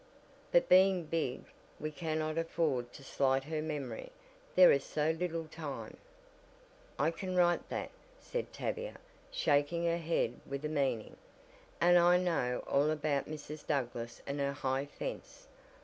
But being 'big' we cannot afford to slight her memory. There is so little time " "I can write that," said Tavia, shaking her head with a meaning. "And I know all about Mrs. Douglass and her high fence.